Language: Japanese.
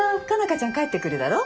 花ちゃん帰ってくるだろ。